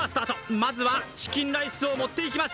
まずはチキンライスを盛っていきます。